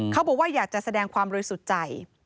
เขาบอกว่าอยากจะแสดงความบริสุทธิ์ใจ